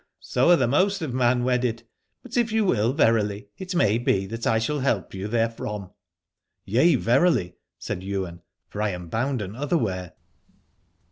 So are the most of men wedded ; but if you will verily, it may be that I shall help you therefrom. Yea, 134 Aladore verily, said Ywain, for I am bounden other where.